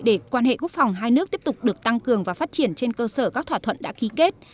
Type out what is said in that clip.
để quan hệ quốc phòng hai nước tiếp tục được tăng cường và phát triển trên cơ sở các thỏa thuận đã ký kết